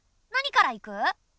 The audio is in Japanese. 何から行く？